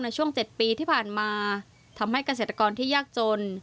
ในช่วง๗ปีที่ผ่านมาทำให้เกษตรกรที่ยากจน